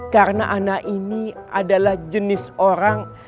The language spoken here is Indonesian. karena ana ini adalah jenis orang